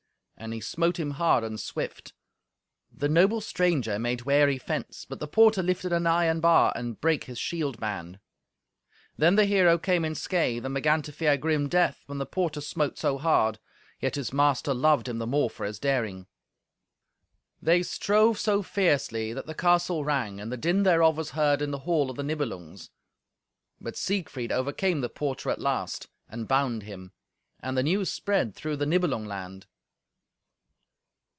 And he smote him hard and swift. The noble stranger made wary fence, but the porter lifted an iron bar and brake his shield band. Then the hero came in scathe, and began to fear grim death when the porter smote so hard. Yet his master loved him the more for his daring. They strove so fiercely that the castle rang, and the din thereof was heard in the hall of the Nibelungs. But Siegfried overcame the porter at last, and bound him. And the news spread through the Nibelung land.